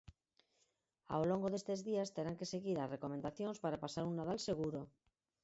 Ao longo destes días terán que seguir as recomendacións para pasar un Nadal seguro.